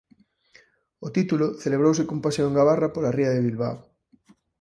O título celebrouse cun paseo en gabarra pola ría de Bilbao.